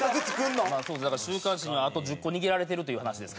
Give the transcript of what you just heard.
週刊誌にあと１０個握られてるという話ですから。